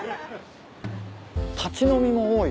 立ち飲みも多い。